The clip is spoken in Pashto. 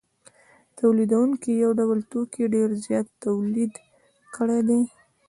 تولیدونکو یو ډول توکي ډېر زیات تولید کړي دي